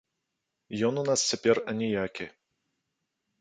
Ён у нас цяпер аніякі.